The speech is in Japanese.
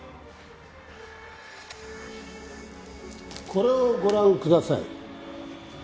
「」「」これをご覧ください。